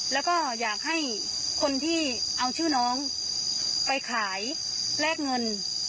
แล้วก็อยากให้คนที่เอาชื่อน้องไปขายแลกเงิน